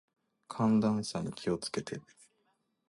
寒暖差に気を付けて。